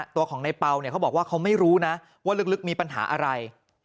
ตัวของในเปล่าเนี่ยเขาบอกว่าเขาไม่รู้นะว่าลึกมีปัญหาอะไร